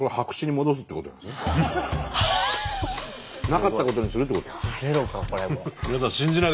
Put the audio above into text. なかったことにするってこと。